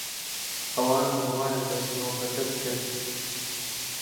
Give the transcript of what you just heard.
ئەوان بڕوایان بە چیرۆکەکەت کرد.